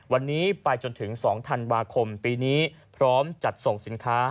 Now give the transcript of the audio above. วันนี้ไปจนถึง๒ธันวาคมปีนี้พร้อมจัดส่งสินค้า